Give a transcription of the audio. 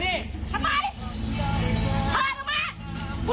นี่นี่ไม่มีไปขอทางกู